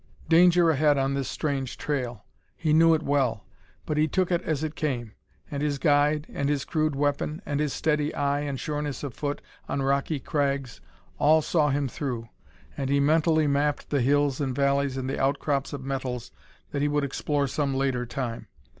Danger ahead on this strange trail; he knew it well. But he took it as it came; and his guide, and his crude weapon, and his steady eye and sureness of foot on rocky crags all saw him through. And he mentally mapped the hills and valleys and the outcrops of metals that he would explore some later time.